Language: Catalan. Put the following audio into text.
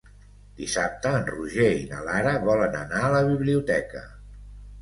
Dissabte en Roger i na Lara volen anar a la biblioteca.